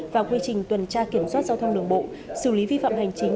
và quy trình tuần tra kiểm soát giao thông đường bộ xử lý vi phạm hành chính